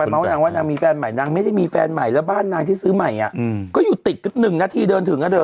แม้งได้มีแฟนใหม่นั้นไม่ได้มีแฟนใหม่และบ้านที่ซื้อใหม่ก็อยู่ติดนึงนาทีเดินถึงแล้วเฒ่อ